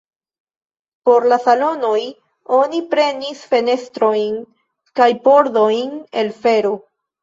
Por la salonoj oni prenis fenestrojn kaj pordojn el fero.